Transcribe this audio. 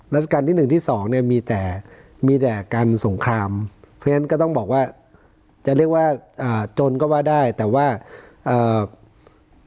ราชการที่หนึ่งที่สองเนี่ยมีแต่มีแต่การสงครามเพราะฉะนั้นก็ต้องบอกว่าจะเรียกว่าอ่าจนก็ว่าได้แต่ว่าเอ่อ